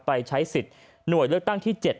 ไปใช้สิทธิ์หน่วยเลือกตั้งที่๗